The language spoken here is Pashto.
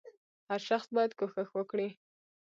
• هر شخص باید کوښښ وکړي.